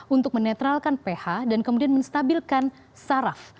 untuk menetralkan ph dan kemudian menstabilkan saraf